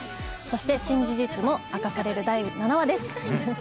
そして新事実も明かされる第７話です